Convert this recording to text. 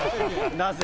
なぜ？